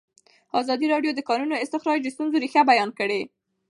ازادي راډیو د د کانونو استخراج د ستونزو رېښه بیان کړې.